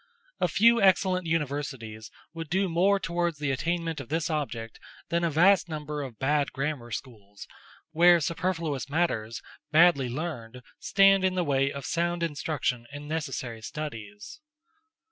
A few excellent universities would do more towards the attainment of this object than a vast number of bad grammar schools, where superfluous matters, badly learned, stand in the way of sound instruction in necessary studies.